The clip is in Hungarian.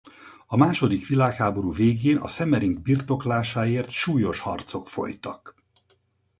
A második világháború végén a Semmering birtoklásáért súlyos harcok folytak.